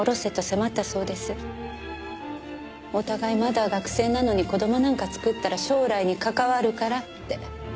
お互いまだ学生なのに子供なんか作ったら将来に関わるからって。